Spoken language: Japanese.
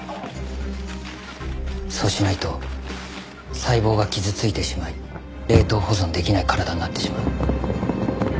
そうしないと細胞が傷ついてしまい冷凍保存できない体になってしまう。